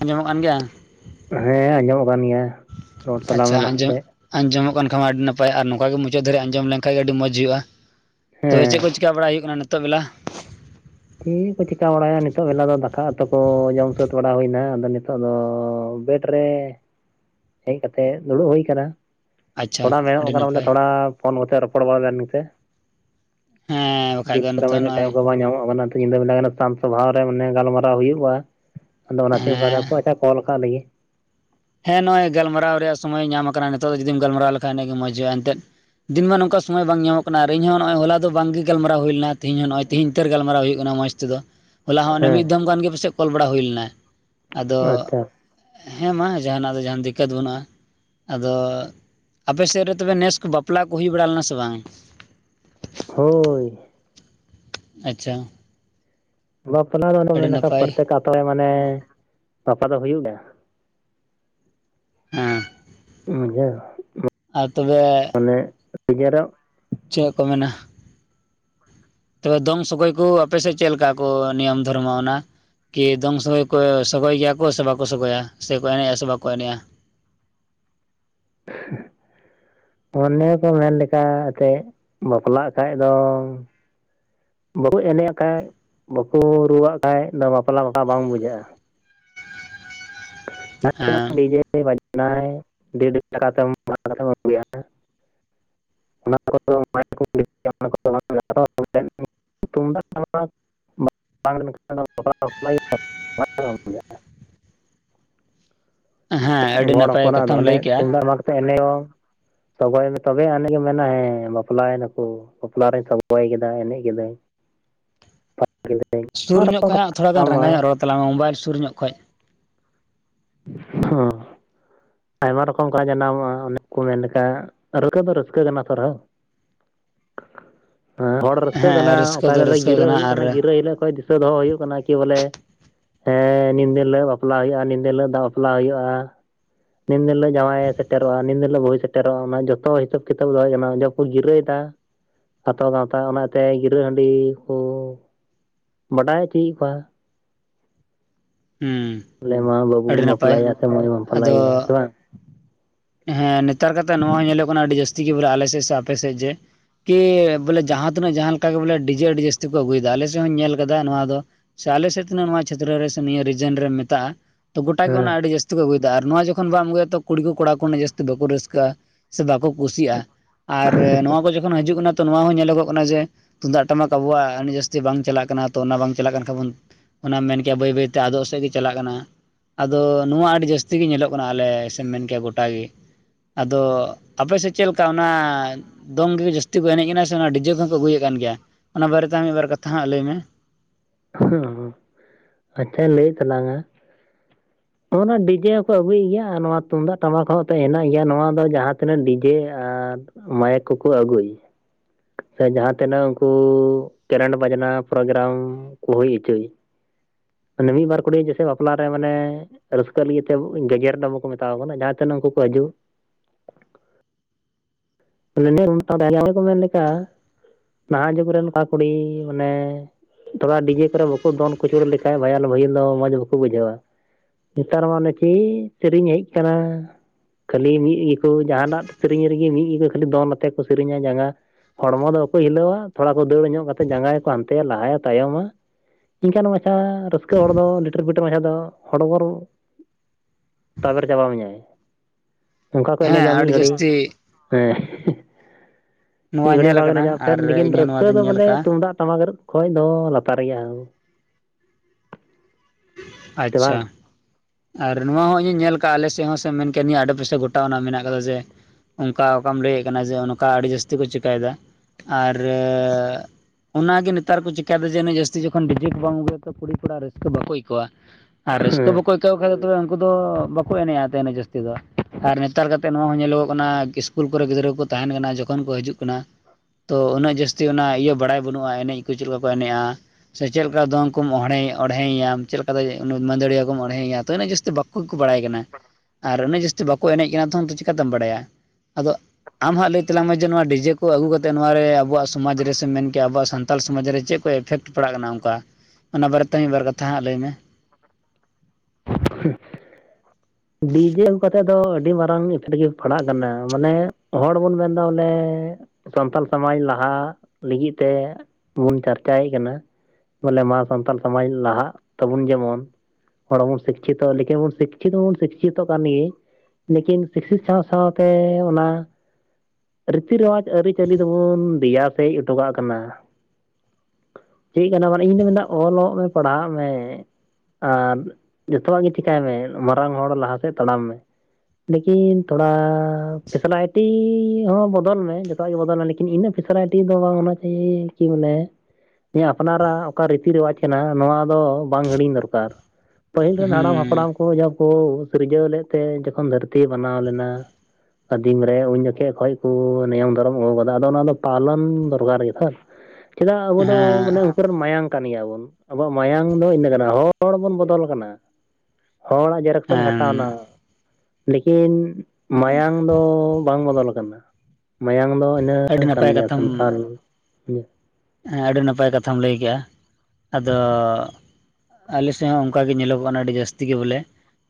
ᱟᱸᱡᱚᱢᱚᱜ ᱠᱟᱱ ᱜᱮᱭᱟ ᱦᱮᱸ ᱟᱸᱡᱚᱢ ᱠᱟᱱ ᱜᱮᱭᱟ ᱨᱚᱲ ᱛᱟᱞᱟᱝ ᱟᱪᱪᱷᱟ ᱢᱮ ᱞᱟᱦᱟ ᱟᱸᱡᱚᱢ ᱥᱮᱫ ᱟᱸᱡᱚᱢᱚᱜ ᱠᱟᱱ ᱠᱷᱟᱱ ᱢᱟ ᱟᱹᱰᱤ ᱱᱟᱯᱟᱭ ᱟᱨ ᱱᱚᱝᱠᱟ ᱜᱮ ᱢᱩᱪᱟᱹᱫ ᱫᱷᱟᱹᱨᱤᱡ ᱟᱸᱡᱚᱢ ᱞᱮᱱᱠᱷᱟᱱ ᱜᱮ ᱟᱹᱰᱤ ᱢᱚᱸᱡᱽ ᱦᱩᱭᱩᱜᱼᱟ ᱛᱚᱵᱮ ᱪᱮᱫ ᱦᱮᱸ ᱠᱚ ᱪᱤᱠᱟ ᱵᱟᱲᱟ ᱦᱩᱭᱩᱜ ᱠᱟᱱᱟ ᱱᱤᱛᱚᱜ ᱵᱮᱞᱟ ᱪᱮᱫ ᱠᱚ ᱪᱮᱠᱟ ᱵᱟᱲᱟᱭᱟ ᱱᱤᱛᱚᱜ ᱵᱮᱞᱟ ᱫᱚ ᱫᱟᱠᱟ ᱩᱛᱩ ᱠᱚ ᱡᱚᱢ ᱥᱟᱹᱛ ᱵᱟᱲᱟ ᱦᱩᱭᱱᱟ ᱟᱫᱚ ᱱᱤᱛᱚᱜ ᱫᱚ ᱵᱮᱰ ᱨᱮ ᱦᱮᱡ ᱠᱟᱛᱮᱫ ᱫᱩᱲᱩᱵ ᱦᱩᱭ ᱟᱠᱟᱱᱟ ᱟᱪᱪᱷᱟ ᱛᱷᱚᱲᱟᱢ ᱟᱹᱰᱤ ᱮᱦᱚᱜ ᱠᱟᱱᱟ ᱚᱸᱰᱮ ᱱᱟᱯᱟᱭ ᱛᱷᱚᱲᱟ ᱯᱷᱳᱱ ᱠᱚᱛᱮ ᱨᱚᱯᱚᱲ ᱵᱟᱲᱟ ᱞᱮᱱᱜᱮᱛᱮ ᱦᱮᱸ ᱵᱟᱠᱷᱟᱡ ᱫᱚ ᱫᱤᱯᱨᱮ ᱱᱤᱛᱚᱜ ᱵᱮᱲᱮ ᱦᱟᱸ ᱴᱟᱭᱤᱢ ᱱᱚᱜᱼᱚᱭ ᱠᱚ ᱵᱟᱝ ᱧᱟᱢᱚᱜ ᱠᱟᱱᱟ ᱛᱚ ᱧᱤᱫᱟᱹ ᱢᱮᱱᱟᱭᱟ ᱱᱟᱜ ᱥᱟᱱᱛᱥᱚᱵᱷᱟᱣ ᱨᱮ ᱢᱮᱱᱟᱭᱟ ᱜᱟᱞᱢᱟᱨᱟᱣ ᱦᱩᱭᱩᱜᱼᱟ ᱟᱫᱚ ᱚᱱᱟᱛᱮᱧ ᱚᱱᱠᱟᱫᱟ ᱦᱮᱸ ᱟᱪᱪᱷᱟ ᱠᱚᱞ ᱟᱠᱟᱫ ᱞᱮᱜᱮ ᱦᱮᱸ ᱱᱚᱜᱼᱚᱭ ᱜᱟᱞᱢᱟᱨᱟᱣ ᱨᱮᱭᱟᱜ ᱥᱚᱢᱚᱭ ᱧᱟᱢ ᱟᱠᱟᱱᱟ ᱱᱤᱛᱚᱜ ᱫᱚ ᱡᱩᱤᱢ ᱜᱟᱞᱢᱟᱨᱟᱣ ᱞᱮᱠᱷᱟ ᱤᱱᱟᱜ ᱜᱮ ᱢᱚᱸᱡᱽ ᱦᱩᱭᱩᱜᱼᱟ ᱮᱱᱛᱮᱜ ᱫᱤᱱ ᱢᱟ ᱱᱚᱝᱠᱟ ᱥᱚᱢᱚᱭ ᱵᱟᱝᱟᱢᱚᱜ ᱠᱟᱱᱟ ᱟᱨ ᱤᱧ ᱦᱚᱸ ᱱᱚᱜᱼᱚᱭ ᱦᱚᱞᱟ ᱫᱚ ᱵᱟᱝᱜᱮ ᱜᱟᱞᱢᱟᱣ ᱦᱩᱭᱞᱮᱱᱟ ᱛᱤᱦᱤᱧ ᱦᱚᱸ ᱱᱚᱜᱼᱚᱭ ᱛᱮᱦᱮᱧ ᱩᱛᱟᱹᱨ ᱜᱟᱞᱢᱟᱨᱟᱣ ᱦᱩᱭᱩᱜ ᱠᱟᱱᱟ ᱢᱚᱡᱽ ᱛᱮᱫᱚ ᱦᱚᱞᱟ ᱦᱚᱸ ᱚᱱᱮ ᱢᱤᱫ ᱦᱮᱸ ᱫᱷᱚᱢ ᱜᱟᱱᱜᱮ ᱯᱟᱪᱮᱡ ᱠᱚᱞ ᱵᱟᱲᱟ ᱦᱩᱭ ᱞᱮᱱᱟ᱾ ᱟᱫᱚ ᱟᱪᱪᱷᱟ ᱦᱮᱸ ᱢᱟ ᱡᱟᱦᱟᱱᱟᱜ ᱫᱚ ᱡᱟᱦᱟᱱ ᱫᱤᱠᱠᱟᱹᱛ ᱵᱟᱹᱱᱩᱜᱼᱟ᱾ ᱟᱫᱚ ᱟᱯᱮ ᱥᱮᱫ ᱨᱮ ᱛᱚᱵᱮ ᱱᱮᱥ ᱠᱚ ᱵᱟᱯᱞᱟ ᱠᱚ ᱦᱩᱭ ᱵᱟᱲᱟ ᱞᱮᱱᱟ ᱥᱮ ᱵᱟᱝ? ᱦᱳᱭ ᱟᱪᱪᱷᱟ ᱵᱟᱯᱞᱟ ᱫᱚ ᱚᱱᱮᱢ ᱟᱹᱰᱤ ᱢᱮᱱᱠᱷᱟᱱ ᱱᱟᱯᱟᱭ ᱯᱨᱚᱛᱮᱠ ᱟᱛᱳ ᱨᱮ ᱢᱟᱱᱮ ᱵᱟᱯᱟ ᱫᱚ ᱦᱩᱭᱩᱜ ᱜᱮᱭᱟ ᱦᱮᱸ ᱵᱩᱡᱷᱟᱹᱣ ᱟᱨ ᱛᱚᱵᱮ ᱢᱟᱱᱮ [inaudible] ᱪᱮᱫ ᱠᱚ ᱢᱮᱱᱟ ᱛᱚᱵᱮ ᱫᱚᱝ ᱥᱚᱜᱚᱭ ᱠᱚ ᱟᱯᱮ ᱥᱮᱫ ᱪᱮᱫ ᱞᱮᱠᱟ ᱠᱚ ᱱᱤᱭᱚᱢ ᱫᱷᱚᱨᱢᱟ ᱚᱱᱟ ᱠᱤ ᱫᱚᱝ ᱥᱚᱢᱚᱭ ᱠᱚ ᱥᱚᱜᱚᱭ ᱜᱮᱭᱟ ᱠᱚ ᱥᱮ ᱵᱟᱠᱚ ᱥᱚᱜᱚᱭᱟ ᱥᱮ ᱠᱚ ᱮᱱᱮᱡᱼᱟ ᱥᱮ ᱵᱟᱠᱚ ᱮᱱᱮᱡᱼᱟ [inaudible] ᱚᱱᱮ ᱠᱚ ᱢᱮᱱ ᱞᱮᱠᱟ ᱮᱱᱛᱮᱫ ᱵᱟᱯᱞᱟᱜ ᱠᱷᱟᱡ ᱫᱚᱝ ᱵᱟᱠᱚ ᱮᱱᱮᱡ ᱟᱠᱷᱟᱡ ᱵᱟᱠᱚ ᱨᱩᱣᱟᱜ ᱠᱷᱟᱡ ᱫᱚ ᱵᱟᱯᱞᱟ ᱞᱮᱠᱟ ᱵᱟᱝ ᱵᱩᱡᱷᱟᱹᱜᱼᱟ᱾ ᱦᱮᱸ [unintelligible] [unintelligible] ᱛᱩᱢᱫᱟᱜ ᱴᱟᱢᱟᱠ ᱵᱟᱝ [inaudible] ᱵᱟᱝ ᱵᱩᱡᱷᱟᱹᱜᱼᱟ ᱦᱮᱸ ᱟᱹᱰᱤ ᱟᱵᱚ ᱦᱚᱲ ᱱᱟᱯᱟᱭ ᱦᱚᱯᱚᱱᱟᱜ ᱫᱚ ᱠᱟᱛᱷᱟᱢ ᱚᱱᱮ ᱞᱟᱹᱭ ᱠᱮᱜᱼᱟ᱾ ᱛᱩᱢᱫᱟᱜ ᱴᱟᱢᱟᱠ ᱠᱟᱛᱮᱜ ᱮᱱᱮᱡ ᱦᱚᱸ ᱥᱚᱜᱚᱭ ᱢᱮ ᱛᱚᱵᱮ ᱮᱱᱤᱡ ᱜᱮ ᱢᱮᱱᱟ ᱦᱮᱸ ᱵᱟᱯᱞᱟᱭᱮᱱᱟᱠᱚ ᱵᱟᱯᱞᱟ ᱨᱮ ᱫᱴ ᱥᱚᱜᱚᱭ ᱠᱮᱫᱟ ᱮᱱᱮᱡ ᱠᱤᱫᱟᱹᱧ ᱠᱮᱫᱟᱹᱧ ᱥᱩᱨ ᱧᱚᱜ ᱠᱷᱚᱡ ᱦᱟᱸᱜ ᱛᱷᱚᱲᱟᱜᱱ ᱨᱟᱸᱜᱟᱣ ᱧᱚᱜ ᱟᱢᱟᱜ ᱨᱚᱲ ᱛᱟᱞᱟᱧᱢᱮ ᱢᱳᱵᱟᱭᱤᱞ ᱥᱩᱨ ᱧᱚᱜ ᱠᱷᱚᱡ ᱦᱚᱸ ᱟᱭᱢᱟ ᱨᱚᱠᱚᱢ ᱠᱚ ᱡᱟᱱᱟᱢᱚᱜᱼᱟ ᱚᱱᱮ ᱠᱚ ᱢᱮᱱ ᱟᱠᱟᱫᱟ ᱨᱟᱹᱥᱠᱟᱹ ᱠᱟᱱᱟ ᱛᱚ ᱨᱮᱦᱚ ᱦᱚᱲ ᱨᱟᱹᱥᱠᱟᱹᱜ ᱠᱟᱱᱟ ᱦᱮᱸ ᱚᱠᱟ ᱨᱟᱹᱥᱠᱟᱹ ᱦᱤᱞᱳ ᱫᱚ ᱨᱮ ᱨᱟᱹᱥᱠᱟᱹ ᱜᱤᱨᱟᱹ ᱦᱩᱭᱩᱜ ᱟᱨ ᱠᱟᱱᱟ ᱜᱤᱨᱟᱹ ᱦᱤᱞᱳᱜ ᱠᱷᱚ ᱫᱤᱥᱟᱹ ᱫᱚᱦᱚ ᱦᱩᱭᱩᱜ ᱠᱟᱱᱟ ᱠᱤ ᱵᱚᱞᱮ ᱦᱮᱸ ᱱᱤᱱ ᱫᱤᱱ ᱦᱤᱞᱳᱜ ᱵᱟᱯᱞᱟ ᱦᱩᱭᱩᱜᱼᱟ ᱱᱤᱫᱤᱱ ᱦᱤᱞᱳᱜ ᱫᱟᱜ ᱵᱟᱯᱞᱟ ᱦᱩᱭᱩᱜᱼᱟ ᱱᱤᱱ ᱫᱤᱱ ᱦᱤᱞᱚᱜ ᱡᱟᱣᱟᱭᱮ ᱥᱮᱴᱮᱨᱚᱜᱼᱟ ᱱᱤᱱ ᱫᱤᱱ ᱦᱤᱞᱚᱜ ᱵᱟᱹᱦᱩᱭ ᱥᱮᱴ- ᱥᱮᱴᱮᱨᱚᱜᱼᱟ ᱚᱱᱟ ᱡᱚᱛᱚ ᱦᱤᱥᱟᱹᱵ ᱠᱤᱛᱟᱹᱵ ᱫᱚᱦᱚᱭ ᱠᱟᱱᱟ ᱚᱱᱟ ᱡᱟᱦᱟ ᱠᱚ ᱜᱤᱨᱟᱹᱭᱮᱫᱟ ᱦᱟᱛᱟᱣᱟ ᱜᱟᱶᱛᱟ ᱚᱱᱟᱛᱮ ᱜᱤᱨᱟᱹ ᱦᱟᱺᱰᱤ ᱠᱚ ᱵᱟᱰᱟᱭ ᱚᱪᱚᱭᱮᱫ ᱠᱚᱣᱟ ᱦᱩᱸ ᱟᱞᱮ ᱢᱟ ᱵᱟᱹᱵᱩ ᱟᱹᱰᱤ ᱵᱚᱱ ᱱᱟᱯᱟᱭ ᱵᱟᱯᱞᱟᱭᱟ ᱥᱮ ᱢᱟᱹᱭ ᱵᱚᱱ ᱟᱫᱚ ᱵᱟᱯᱞᱟᱭᱮᱭᱟ ᱥᱮ ᱵᱟᱝ ᱦᱮᱸ ᱱᱮᱛᱟᱨ ᱠᱟᱛᱮ ᱱᱚᱜᱼᱚᱭ ᱧᱮᱞᱚᱜ ᱠᱟᱱᱟ ᱟᱹᱰᱤ ᱡᱟᱹᱥᱛᱤ ᱜᱮ ᱵᱟᱨᱟ ᱟᱞᱮ ᱥᱮᱫ ᱥᱮ ᱟᱯᱮ ᱥᱮᱫ ᱡᱮ ᱠᱤ ᱵᱚᱞᱮ ᱡᱟᱦᱟᱸ ᱛᱤᱱᱟᱹᱜ ᱡᱟᱦᱟᱸ ᱞᱮᱠᱟᱜᱮ ᱵᱚᱞᱮ ᱰᱤᱡᱮ ᱟᱹᱰᱤ ᱡᱟᱹᱥᱛᱤ ᱠᱚ ᱟᱹᱜᱩᱭᱮᱫᱟ ᱟᱞᱮ ᱥᱮᱫ ᱦᱚᱧ ᱧᱮᱞ ᱟᱠᱟᱫᱟ ᱱᱚᱣᱟ ᱫᱚ ᱥᱮ ᱟᱞᱮ ᱥᱮᱫ ᱛᱮ ᱱᱚᱣᱟ ᱪᱷᱮᱛᱨᱚ ᱨᱮ ᱥᱮ ᱱᱤᱭᱟᱹ ᱨᱤᱡᱮᱱ ᱨᱮ ᱢᱮᱛᱟᱜᱼᱟ ᱛᱚ ᱜᱚᱴᱟᱜᱮ ᱚᱱᱟ ᱦᱮᱸ ᱟᱹᱰᱤ ᱡᱟᱹᱥᱛᱤ ᱠᱚ ᱟᱹᱜᱩᱭᱮᱫᱟ ᱟᱨ ᱱᱚᱣᱟ ᱡᱚᱠᱷᱚᱱ ᱵᱟᱢ ᱟᱹᱜᱩᱭᱟ ᱛᱚ ᱠᱩᱲᱤ ᱠᱚ ᱠᱚᱲᱟ ᱠᱚ ᱩᱱᱟᱹᱜ ᱡᱟᱹᱥᱛᱤ ᱵᱟᱠᱚ ᱨᱟᱹᱥᱠᱟᱹᱜᱼᱟ ᱥᱮ ᱵᱟᱠᱚ ᱠᱩᱥᱤᱜᱼᱟ ᱟᱨ ᱱᱚᱣᱟ ᱠᱚ ᱡᱚᱠ ᱠᱷᱚᱱ ᱦᱤᱡᱩᱜ ᱠᱟᱱᱟ ᱛᱚ ᱱᱚᱶᱟ ᱦᱚᱸ ᱧᱮᱞᱚᱜᱚᱜ ᱠᱟᱱᱟ ᱡᱮ ᱛᱩᱢᱫᱟᱜ ᱴᱟᱢᱟᱠ ᱟᱵᱚᱣᱟᱜ ᱟᱹᱰᱤ ᱡᱟᱹᱥᱛᱤ ᱵᱟᱝ ᱪᱟᱞᱟᱜ ᱠᱟᱱᱟ ᱛᱚ ᱚᱱᱟ ᱵᱟᱝ ᱪᱟᱞᱟᱜ ᱠᱟᱱ ᱠᱷᱟᱱ ᱵᱚᱱ ᱚᱱᱟᱢ ᱢᱮᱱ ᱠᱮᱭᱟ ᱵᱟᱹᱭ ᱵᱟᱹᱭᱛᱮ ᱟᱫᱚᱜ ᱥᱮᱫ ᱜᱮ ᱪᱟᱞᱟᱜ ᱠᱟᱱᱟ᱾ ᱟᱫᱚ ᱱᱚᱣᱟ ᱟᱹᱰᱤ ᱡᱟᱹᱥᱛᱤ ᱜᱮ ᱧᱮᱞᱚᱜ ᱠᱟᱱᱟ ᱟᱞᱮ ᱥᱮᱫ ᱮᱢ ᱢᱮᱱ ᱠᱮᱭᱟ ᱜᱚᱴᱟᱜᱮ ᱟᱫᱚ ᱟᱯᱮᱥᱮᱡ ᱪᱮᱫ ᱞᱮᱠᱟ ᱚᱱᱟ? ᱫᱚᱝ ᱜᱮᱜᱮ ᱡᱟᱹᱥᱛᱤ ᱠᱚ ᱮᱱᱮᱡ ᱮᱱᱟ ᱥᱮ ᱚᱱᱟ ᱰᱤᱡᱮ ᱠᱚᱦᱚᱸ ᱠᱚ ᱟᱹᱜᱩᱭᱮᱫ ᱠᱟᱱ ᱜᱮᱭᱟ᱾ ᱚᱱᱟ ᱵᱟᱨᱮᱛᱮᱢ ᱢᱤᱫᱟᱨ ᱠᱟᱛᱷᱟ ᱦᱟᱸᱜ ᱞᱟᱹᱭ ᱢᱮ᱾ ᱦᱩᱸ ᱟᱪᱪᱷᱟᱹᱧ ᱞᱟᱹᱭ ᱮᱫ ᱛᱟᱞᱟᱝᱟ ᱦᱚᱱᱟ ᱰᱤᱡᱮ ᱦᱚᱸᱠᱚ ᱟᱹᱜᱩᱭ ᱜᱮᱭᱟ ᱟᱨ ᱱᱚᱣᱟ ᱛᱩᱢᱫᱟᱜ ᱴᱟᱢᱟᱠ ᱦᱚᱸᱛᱚ ᱦᱮᱱᱟᱜ ᱜᱮᱭᱟ ᱱᱚᱣᱟ ᱫᱚ ᱡᱟᱦᱟᱸ ᱛᱤᱱᱟᱹᱜ ᱰᱤᱡᱮ ᱟᱨ ᱢᱟᱭᱮᱠ ᱠᱚᱠᱚ ᱟᱹᱜᱩᱭ ᱥᱮ ᱡᱟᱦᱟᱸᱛᱤᱱᱟᱹᱜ ᱩᱱᱠᱩ ᱠᱨᱮᱱᱴ ᱵᱟᱡᱽᱱᱟ ᱯᱨᱳᱜᱽᱨᱟᱢ ᱠᱚ ᱦᱩᱭ ᱦᱚᱪᱚᱭ ᱢᱟᱱᱮ ᱢᱤᱫ ᱵᱟᱨ ᱠᱩᱲ ᱡᱮᱥᱮ ᱵᱟᱯᱞᱟᱨᱮ ᱢᱟᱱᱮ ᱨᱟᱹᱥᱠᱟᱹ ᱞᱟᱹᱜᱤᱫ ᱛᱮ ᱜᱮᱡᱮᱨ ᱰᱟᱵᱚ ᱠᱚ ᱢᱮᱛᱟᱣ ᱠᱟᱱᱟ ᱡᱟᱦᱟᱸ ᱛᱱᱟᱹ ᱩᱱᱠᱩ ᱠᱚ ᱦᱤᱡᱩᱜ, [unintelligible] ᱢᱮ ᱠᱚ ᱢᱮᱱ ᱞᱮᱠᱟ ᱱᱟᱦᱟᱜ ᱡᱩᱜᱽᱨᱮᱱ ᱚᱱᱠᱟ ᱠᱩᱲᱤ ᱢᱟᱱᱮ ᱛᱷᱚᱲᱟ ᱰᱤᱡᱮ ᱠᱚᱨᱮ ᱵᱟᱠᱚ ᱫᱚᱱ ᱠᱩᱪᱩᱲ ᱞᱮᱠᱷᱟᱡ ᱵᱷᱟᱭᱟᱞ ᱵᱷᱟᱹᱭᱩᱞ ᱫᱚ ᱢᱚᱸᱡᱽ ᱵᱟᱠᱳ ᱵᱩᱡᱷᱟᱹᱣᱟ᱾ ᱱᱮᱛᱟᱨ ᱢᱟ ᱚᱱᱮᱠᱤ ᱪᱮᱫ ᱥᱮᱨᱮᱧ ᱦᱮᱡ ᱟᱠᱟᱱᱟ ᱠᱷᱟᱹᱞᱤ ᱢᱤᱫ ᱜᱮᱠᱚ ᱡᱟᱦᱟᱸᱱᱟᱜ ᱥᱤᱨᱤᱧ ᱨᱮᱜᱮ ᱢᱤᱫ ᱜᱮᱠᱚ ᱠᱷᱟᱹᱞᱤ ᱫᱚᱱ ᱟᱛᱮ ᱠᱚ ᱥᱮᱨᱤᱧᱟ ᱡᱟᱝᱜᱟ ᱦᱚᱲᱢᱚ ᱫᱚ ᱵᱟᱠᱚ ᱦᱤᱞᱟᱹᱣᱟ ᱛᱷᱚᱲᱟ ᱠᱚ ᱫᱟᱹᱲ ᱧᱚᱜ ᱠᱟᱛᱮ ᱡᱟᱸᱟᱭ ᱜᱮᱠᱚ ᱦᱟᱱᱛᱮᱭᱟ ᱞᱟᱦᱟᱭᱟ ᱛᱟᱭᱚᱢᱟ᱾ ᱤᱱᱠᱟᱱ ᱢᱟᱪᱷᱟ ᱨᱟᱹᱥᱠᱟᱹ ᱦᱚᱲ ᱫᱚ ᱞᱤᱴᱟᱹᱨ ᱯᱤᱴᱟᱹᱨ ᱢᱟᱪᱷᱟ ᱫᱚ ᱦᱚᱲᱚᱵᱚᱨᱚ ᱛᱟᱵᱮᱨ ᱪᱟᱵᱟ ᱢᱮᱭᱟᱭ ᱚᱱᱠᱟ ᱠᱚ ᱦᱮᱸ ᱮᱱᱮᱡᱟ ᱢᱤᱫ ᱟᱹᱰᱤ ᱜᱷᱟᱹᱲᱤᱡ ᱡᱟᱹᱥᱛᱤ ᱦᱮᱸ ᱱᱚᱣᱟ ᱢᱤᱫ ᱜᱷᱟᱹᱲᱤᱡ ᱧᱮᱞ ᱵᱟᱨ ᱟᱠᱟᱱᱟ ᱟᱨ [unintelligible] ᱤᱧ ᱦᱚᱸ ᱱᱚᱣᱟ ᱨᱟᱹᱥᱠᱟᱹ ᱫᱚᱧ ᱫᱚ ᱧᱮᱞ ᱵᱚᱞᱮ ᱟᱠᱟᱜᱼᱟ᱾ ᱛᱩᱢᱫᱟᱜ ᱴᱟᱢᱟᱠ ᱠᱷᱚᱱ ᱫᱚ ᱞᱟᱛᱟᱨ ᱜᱮᱭᱟ ᱦᱳ ᱥᱮ ᱟᱪᱪᱷᱟ ᱵᱟᱝ ᱟᱨ ᱱᱚᱣᱟ ᱦᱚᱸ ᱤᱧ ᱧᱮᱞ ᱟᱠᱟᱜᱼᱟ ᱟᱞᱮ ᱥᱮᱜ ᱦᱚᱸ ᱥᱮ ᱢᱮᱱ ᱠᱮᱭᱟ ᱱᱚᱣᱟ ᱟᱰᱮᱯᱟᱥᱮ ᱜᱚᱴᱟ ᱨᱮᱱᱟᱜ ᱢᱮᱱᱟᱜ ᱟᱠᱟᱫᱟ ᱡᱮ ᱚᱱᱠᱟ ᱚᱠᱟᱢ ᱞᱟᱹᱭᱮᱫ ᱠᱟᱱᱟ ᱡᱮ ᱚᱱᱠᱟ ᱟᱹᱰᱤ ᱡᱟᱹᱥᱛᱤ ᱠᱚ ᱪᱤᱠᱟᱭᱮᱫᱟ᱾ ᱟᱨ ᱚᱱᱟᱜᱮ ᱱᱮᱛᱟᱨ ᱠᱚ ᱪᱤᱠᱟᱭᱫᱟ ᱡᱮ ᱡᱟᱹᱥᱛᱤ ᱡᱚᱠᱷᱚᱱ ᱰᱤᱡᱮ ᱠᱚ ᱵᱟᱢ ᱟᱹᱜᱩᱭᱟ ᱛᱚ ᱠᱩᱲᱤ ᱠᱳᱲᱟ ᱨᱟᱹᱥᱠᱟᱹ ᱵᱟᱠᱳ ᱟᱹᱭᱠᱟᱹᱣᱟ᱾ ᱟᱨ ᱨᱟᱹᱥᱠᱟᱹ ᱦᱮᱸ ᱵᱟᱠᱳ ᱟᱹᱠᱟᱹᱣ ᱠᱷᱟᱱ ᱫᱚ ᱛᱚᱵᱮ ᱩᱱᱠᱩ ᱫᱚ ᱵᱟᱠᱚ ᱮᱱᱮᱡᱼᱟ ᱛᱟᱦᱮᱱᱟᱹᱜ ᱡᱟᱹᱥᱛᱤ ᱫᱚ ᱟᱨ ᱱᱮᱛᱟᱨ ᱠᱟᱛᱮ ᱱᱚᱣᱟ ᱦᱚᱸ ᱧᱮᱞᱚᱜᱚᱜ ᱠᱟᱱᱟ ᱥᱠᱩᱞ ᱠᱚᱨᱮ ᱜᱤᱫᱽᱨᱟᱹ ᱠᱚ ᱛᱟᱦᱮᱱ ᱠᱟᱱᱟ ᱡᱚᱠᱷᱚᱱ ᱠᱚ ᱦᱤᱡᱩᱜ ᱠᱟᱱᱟ᱾ ᱛᱚ ᱩᱱᱟᱹᱜ ᱡᱟᱹᱥᱛᱤ ᱚᱱᱟ ᱤᱭᱟᱹ ᱵᱟᱲᱟᱭ ᱵᱟᱹᱱᱩᱜᱼᱟ, ᱮᱱᱮᱡ ᱠᱚ ᱪᱮᱫ ᱞᱮᱠᱟ ᱠᱚ ᱮᱱᱮᱡᱼᱟ᱾ ᱥᱮ ᱪᱮᱫ ᱞᱮᱠᱟ ᱫᱚᱝ ᱠᱚᱢ ᱚᱦᱬᱮᱸ ᱚᱬᱦᱮᱸᱭᱟᱢ ᱪᱮᱫ ᱞᱮᱠᱟᱛᱮ ᱩᱱᱤ ᱢᱟᱹᱫᱟᱹᱲᱤᱭᱟᱹ [unintelligible] ᱛᱚ ᱩᱱᱟᱹᱜ ᱡᱟᱹᱥᱛᱤ ᱵᱟᱠᱚ ᱠᱚ ᱵᱟᱲᱟᱭ ᱠᱟᱱᱟ᱾ ᱟᱨ ᱩᱱᱟᱹᱜ ᱡᱟᱹᱥᱛᱤ ᱵᱟᱠᱚ ᱮᱱᱮᱡ ᱠᱟᱱᱟ ᱛᱚᱢ ᱪᱤᱠᱟᱹᱛᱮᱢ ᱵᱟᱲᱟᱭᱟ ᱟᱫᱚ ᱟᱢ ᱦᱟᱸᱜ ᱞᱟᱹᱭ ᱛᱟᱞᱟᱝ ᱢᱮ ᱡᱮ ᱱᱚᱣᱟ ᱡᱮ ᱠᱚ ᱟᱹᱜᱩ ᱠᱟᱛᱮ ᱱᱚᱣᱟ ᱨᱮ ᱟᱵᱩᱣᱟᱜ ᱥᱚᱢᱟᱡᱽ ᱨᱮ ᱥᱮ ᱢᱮᱱᱠᱮᱭᱟ ᱟᱵᱚᱣᱟᱜ ᱥᱟᱱᱛᱟᱞ ᱥᱚᱢᱟᱡᱽ ᱨᱮ ᱪᱮᱫ ᱠᱚ ᱮᱯᱷᱮᱠᱴ ᱯᱟᱲᱟᱜ ᱠᱟᱱᱟ ᱚᱱᱠᱟ ᱚᱱᱟ ᱵᱟᱨᱮᱛᱮ ᱢᱤᱫ ᱵᱟᱨ ᱠᱟᱛᱷᱟ ᱦᱟᱸᱜ ᱞᱟᱹᱭᱢ ᱢᱮ᱾ [unintelligible] ᱰᱤᱡᱮ ᱟᱹᱜᱩ ᱠᱟᱛᱮᱫ ᱫᱚ ᱟᱹᱰᱤ ᱢᱟᱨᱟᱝ ᱤᱯᱷᱮᱠᱴ ᱜᱮ ᱯᱟᱲᱟᱜ ᱠᱟᱱᱟ ᱢᱟᱱᱮ ᱦᱚᱲ ᱵᱚᱱ ᱢᱮᱱᱫᱟ ᱵᱚᱞᱮ ᱥᱟᱱᱛᱟᱞ ᱥᱟᱢᱟᱡᱽ ᱞᱟᱦᱟᱜ ᱞᱟᱹᱜᱤᱫ ᱛᱮ ᱵᱩᱱ ᱪᱟᱨᱪᱟᱭᱮᱫ ᱠᱟᱱᱟ ᱵᱚᱞᱮ ᱢᱟ ᱥᱟᱱᱛᱟᱞ ᱥᱚᱢᱟᱡᱽ ᱞᱟᱦᱟᱜ ᱛᱟᱵᱚᱱ ᱡᱮᱢᱚᱱ ᱦᱚᱲ ᱵᱚᱱ ᱥᱤᱠᱠᱷᱤᱛᱚᱜ ᱞᱮᱠᱤᱱ ᱵᱳᱱ ᱥᱤᱠᱠᱷᱤᱛᱚᱜ ᱠᱟᱱ ᱜᱤ ᱞᱮᱠᱤᱱ ᱥᱤᱠᱪᱤᱛ ᱥᱟᱶ ᱥᱟᱶᱛᱮ ᱚᱱᱟ ᱨᱤᱛᱤ ᱨᱮᱣᱟᱡᱽ ᱟᱹᱨᱤᱪᱟᱹᱞᱤ ᱫᱚᱵᱚᱱ ᱫᱮᱭᱟ ᱥᱮᱡ ᱦᱚᱴᱚ ᱠᱟᱜ ᱠᱟᱱᱟ ᱪᱮᱫ ᱠᱟᱱᱟ ᱢᱟᱱᱮ ᱤᱧᱫᱚᱩᱧ ᱢᱮᱱ ᱮᱫᱟ ᱚᱞᱚᱜ ᱢᱮ ᱯᱟᱲᱦᱟᱜ ᱢᱮ ᱟᱨ ᱡᱚᱛᱚᱣᱟᱜ ᱜᱮ ᱪᱤᱠᱟᱹᱭ ᱢᱮ ᱢᱟᱨᱟᱝ ᱦᱚᱲ ᱞᱟᱦᱟ ᱥᱮᱫ ᱛᱟᱲᱟᱢ ᱢᱮ ᱞᱮᱠᱤᱱ ᱛᱷᱚᱲᱟ ᱯᱷᱮᱥᱮᱞᱟᱭᱴᱤ ᱦᱚᱸ ᱵᱚᱫᱚᱞ ᱢᱮ᱾ [unintelligible] ᱵᱚᱫᱚᱞᱟᱱᱮ, ᱤᱱᱟᱹ ᱯᱷᱮᱥᱟᱭᱴᱤ ᱫᱚ ᱵᱟᱝ ᱦᱚᱱᱟ ᱪᱟᱦᱤᱭᱮ ᱡᱮ ᱵᱚᱞᱮ ᱡᱮ ᱟᱯᱱᱟᱨᱟᱜ ᱚᱠᱟ ᱨᱤᱛᱤ ᱨᱮᱣᱟᱡᱽ ᱠᱟᱱᱟ ᱱᱚᱣᱟ ᱫᱚ ᱵᱟᱝ ᱦᱤᱲᱤᱧ ᱫᱚᱨᱠᱟᱨ ᱯᱟᱹᱦᱤᱞ ᱨᱮᱱ ᱦᱟᱲᱟᱢ ᱦᱮᱸ ᱦᱟᱯᱲᱟᱢ ᱠᱚ ᱡᱟᱦᱟᱸ ᱠᱚ ᱥᱤᱨᱡᱟᱹᱣ ᱞᱮᱫ ᱛᱮ ᱡᱚᱠᱷᱚᱱ ᱫᱷᱟᱹᱨᱛᱤ ᱵᱮᱱᱟᱣ ᱞᱮᱱᱟ᱾ ᱟᱹᱫᱤᱢ ᱨᱮ ᱩᱱ ᱡᱚᱠᱷᱮᱡ ᱠᱷᱚᱱ ᱠᱚ ᱱᱤᱭᱚᱢ ᱫᱷᱚᱨᱚᱢ ᱟᱹᱜᱩ ᱟᱠᱟᱫᱟ ᱟᱫᱚ ᱚᱱᱟ ᱫᱚ ᱯᱟᱞᱚᱱ ᱫᱚᱨᱠᱟᱨ ᱜᱮ ᱛᱷᱚ᱾ ᱪᱮᱫᱟᱜ ᱟᱵᱚ ᱫᱚ ᱦᱮᱸ ᱢᱟᱱᱮ ᱩᱱᱠᱩ ᱨᱮᱱ ᱢᱟᱭᱟᱝ ᱠᱟᱱ ᱜᱮᱭᱟ ᱵᱚᱱ ᱟᱵᱚᱣᱟᱜ ᱢᱟᱭᱟᱢ ᱫᱚ ᱤᱱᱟᱹ ᱠᱟᱱᱟ ᱦᱚᱲ ᱵᱚᱱ ᱵᱚᱫᱚᱞ ᱟᱠᱟᱱᱟ ᱠᱟᱱᱟ ᱦᱚᱲᱟᱜ ᱡᱮᱨᱮᱠᱥᱚᱱ ᱦᱮᱸ ᱜᱷᱟᱴᱟᱣ ᱱᱟ᱾ ᱞᱮᱠᱤᱱ ᱢᱟᱭᱟᱝ ᱫᱚ ᱵᱟᱝ ᱵᱚᱫᱚᱞ ᱟᱠᱟᱱᱟ ᱢᱟᱭᱟᱝ ᱫᱚ ᱤᱱᱟᱹ ᱟᱹᱰᱤ ᱠᱟᱱ ᱱᱟᱯᱟᱭ ᱜᱮᱭᱟ ᱠᱟᱛᱷᱟᱢ ᱥᱟᱱᱛᱷᱟᱞ ᱤᱭᱟᱹ ᱦᱮᱸ ᱟᱹᱰᱤ ᱱᱟᱯᱟᱭ ᱠᱟᱛᱷᱟᱢ ᱞᱟᱹᱭ ᱠᱮᱜᱼᱟ᱾ ᱟᱫᱚ ᱟᱞᱮ ᱥᱮᱫ ᱦᱚᱸ ᱚᱱᱠᱟ ᱜᱮ ᱧᱮᱞᱚᱜᱚᱜ ᱠᱟᱱᱟ ᱟᱹᱰᱤ ᱡᱟᱹᱥᱛᱤ ᱜᱮ ᱵᱚᱞᱮ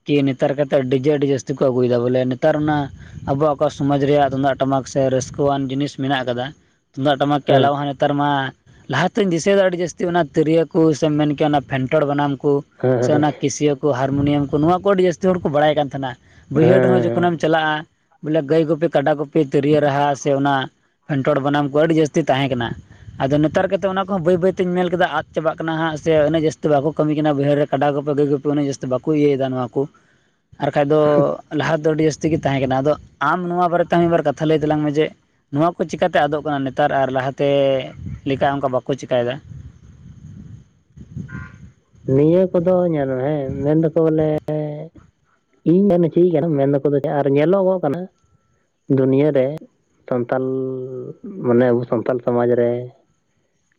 ᱠᱤ ᱱᱮᱛᱟᱨ ᱠᱟᱛᱮᱫ ᱰᱤᱡᱮ ᱟᱹᱰᱤ ᱡᱟᱹᱥᱛᱤ ᱠᱚ ᱟᱹᱜᱩᱭᱮᱫᱟ ᱵᱚᱞᱮ ᱱᱮᱛᱟᱨ ᱚᱱᱟ ᱟᱵᱩᱣᱟᱜ ᱟᱠᱚᱣᱟᱜ ᱥᱚᱢᱟᱡ ᱨᱮᱭᱟᱜ ᱛᱩᱢᱫᱟᱜ ᱴᱟᱢᱟᱠ ᱥᱮ ᱨᱟᱹᱥᱠᱟᱹᱣᱟᱱ ᱡᱤᱱᱤᱥ ᱢᱮᱱᱟᱜ ᱟᱠᱟᱫᱟ ᱛᱩᱢᱫᱟᱜ ᱴᱟᱢᱟᱠ ᱦᱮᱸ ᱟᱞᱟᱣᱟ ᱦᱚᱸᱭ ᱱᱮᱛᱟᱨ ᱢᱟ ᱞᱟᱦᱟᱛᱮᱧ ᱫᱤᱥᱟᱹᱭᱮᱫᱟ ᱟᱹᱰᱤ ᱡᱟᱹᱥᱛᱤ ᱚᱱᱟ ᱛᱤᱨᱭᱳ ᱠᱚ ᱥᱮᱢ ᱢᱮᱱᱠᱮᱭᱟ ᱚᱱᱟ ᱯᱷᱮᱱᱴᱚᱲ ᱵᱟᱱᱟᱢ ᱠᱚ ᱥᱮ ᱦᱮᱸ ᱚᱱᱟ ᱠᱮᱥᱤᱭᱟᱹ ᱠᱚ ᱦᱟᱨᱢᱳᱱᱤᱭᱟᱢ ᱠᱚ ᱱᱚᱣᱟ ᱠᱚ ᱟᱹᱰᱤ ᱡᱟᱹᱥᱛᱤ ᱦᱚᱲ ᱠᱚ ᱵᱟᱲᱟᱭ ᱠᱟᱱ ᱛᱟᱦᱮᱸᱱᱟ ᱵᱟᱹᱭᱦᱟᱹᱲ ᱨᱮᱦᱚᱸ ᱡᱚᱠ ᱡᱚᱠᱷᱚᱱᱮᱢ ᱦᱮᱸ ᱪᱟᱞᱟᱜᱼᱟ ᱵᱚᱞᱮ ᱜᱟᱹᱭ ᱜᱩᱯᱤ ᱠᱟᱰᱟ ᱜᱩᱯᱤ ᱛᱤᱨᱭᱳ ᱨᱟᱦᱟ ᱥᱮ ᱚᱱᱟ ᱯᱷᱮᱱᱴᱚᱲ ᱵᱟᱱᱟᱢ ᱠᱚ ᱟᱹᱰᱤ ᱡᱟᱹᱥᱛᱤ ᱛᱟᱦᱮᱸ ᱠᱟᱱᱟ ᱟᱫᱚ ᱱᱮᱛᱟᱨ ᱠᱟᱛᱮᱫ ᱚᱱᱟ ᱠᱚᱦᱚᱸ ᱵᱟᱹᱭ ᱵᱟᱹᱭ ᱛᱤᱧ ᱧᱮᱞ ᱠᱮᱫᱟ ᱟᱫ ᱪᱟᱵᱟᱜ ᱠᱟᱱᱟ ᱦᱟᱸᱜ ᱥᱮ ᱩᱱᱟᱹᱜ ᱡᱟᱹᱥᱛᱤ ᱵᱟᱠᱚ ᱠᱟᱹᱢᱤ ᱠᱟᱱᱟ ᱵᱟᱹᱭᱦᱟᱹᱲ ᱨᱮ ᱠᱟᱰᱟ ᱜᱩᱯᱤ ᱜᱟᱹᱭ ᱜᱩᱯᱤ ᱩᱱᱟᱹᱜ ᱡᱮᱥᱛᱤ ᱵᱟᱠᱚ ᱤᱭᱟᱹᱭᱮᱫᱟ ᱱᱚᱣᱟᱠᱩ᱾ [inaudible] ᱟᱨᱠᱷᱟᱡ ᱫᱚ ᱞᱟᱦᱟᱛᱮᱫᱚ ᱟᱹᱰᱤ ᱡᱟᱹᱥᱛᱤ ᱜᱮ ᱛᱟᱦᱮᱸ ᱠᱟᱱᱟ ᱟᱫᱚ ᱟᱢ ᱱᱚᱣᱟ ᱵᱟᱨᱮᱛᱮᱦᱚᱸ ᱢᱤᱫᱵᱟᱨ ᱠᱟᱛᱷᱟ ᱞᱟᱹᱭ ᱛᱟᱞᱟᱝ ᱢᱮ ᱡᱮ ᱱᱚᱣᱟ ᱠᱚ ᱪᱮᱠᱟᱹᱛᱮ ᱟᱫᱚᱜ ᱠᱟᱱᱟ ᱱᱮᱛᱟᱨ ᱟᱨ ᱞᱟᱦᱟᱛᱮ ᱞᱮᱠᱟ ᱚᱱᱠᱟ ᱵᱟᱠᱚ ᱪᱤᱠᱟᱹᱭᱮᱫᱟ ᱱᱤᱭᱟᱹ ᱠᱚᱫᱚ ᱧᱮᱞᱢᱮ ᱢᱮᱱ ᱫᱚᱠᱚ ᱵᱚᱞᱮ ᱤᱧ ᱢᱮᱱᱢᱮ ᱪᱤᱞᱤ ᱠᱟᱱᱟᱢ ᱢᱮᱱ ᱫᱳᱠᱚᱫᱚ ᱟᱨ ᱧᱮᱞᱚᱜᱚᱜ ᱠᱟᱱᱟ ᱫᱩᱱᱤᱭᱟᱹ ᱨᱮ ᱥᱟᱱᱛᱟᱞ ᱢᱟᱱᱮ ᱟᱵᱚ ᱥᱟᱱᱛᱟᱞ ᱥᱚᱢᱟᱡᱽ ᱨᱮ